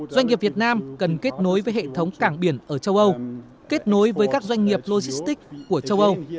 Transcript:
doanh nghiệp việt nam cần kết nối với hệ thống cảng biển ở châu âu kết nối với các doanh nghiệp logistics của châu âu